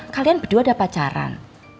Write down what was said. kalian berdua ada pacaran